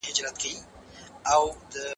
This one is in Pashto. راځئ دا جملې لږ تر لږه له منطقي اړخه وڅېړو!